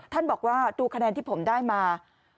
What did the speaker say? ท่านบอกว่าดูคะแนนที่ผมได้มา